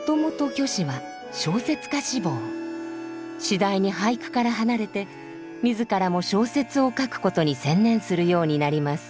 次第に俳句から離れて自らも小説を書くことに専念するようになります。